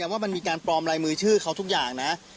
ว่ามันมีการปลอมลายมือชื่อเขาทุกอย่างนะ